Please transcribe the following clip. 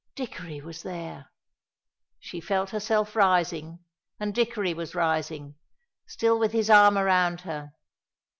Dickory was there! She felt herself rising, and Dickory was rising, still with his arm around her.